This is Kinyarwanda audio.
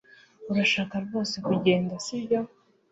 Urashaka rwose kugenda sibyo